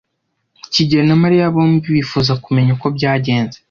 kigeli na Mariya bombi bifuza kumenya uko byagenze.